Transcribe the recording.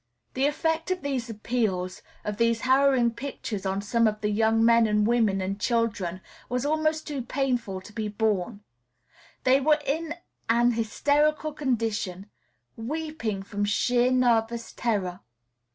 The effect of these appeals, of these harrowing pictures, on some of the young men and women and children was almost too painful to be borne. They were in an hysterical condition, weeping from sheer nervous terror.